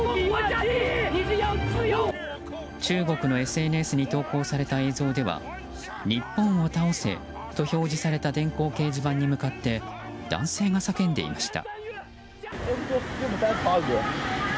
中国のＳＮＳに投稿された映像では日本を倒せと表示された電光掲示板に向かって男性が叫んでいました。